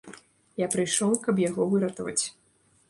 Я прыйшоў, каб яго выратаваць.